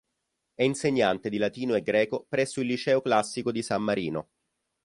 È insegnante di latino e greco presso il Liceo Classico di San Marino.